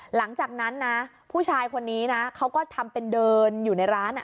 หลังจากนั้นนะผู้ชายคนนี้นะเขาก็ทำเป็นเดินอยู่ในร้าน